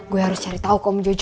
gue harus cari tahu kok menjojo